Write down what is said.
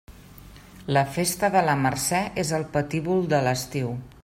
La festa de la Mercè és el patíbul de l'estiu.